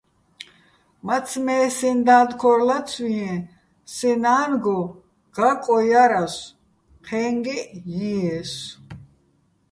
მაცმე́ სეჼ და́დ ქორ ლაცვიეჼ, სეჼ ნა́ნგო გაკო ჲარასო̆, ჴე́ნგეჸ ჲიესო̆.